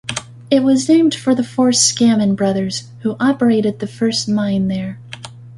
It was named for the four Scammon brothers, who operated the first mine there.